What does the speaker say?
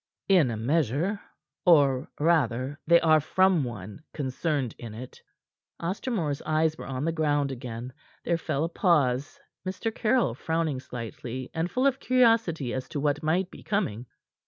"In a measure; or, rather, they are from one concerned in it." Ostermore's eyes were on the ground again. There fell a pause, Mr. Caryll frowning slightly and full of curiosity as to what might be coming.